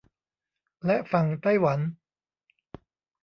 และฝั่งไต้หวัน